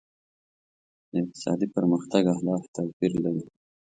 د اقتصادي پرمختګ اهداف توپیر لري.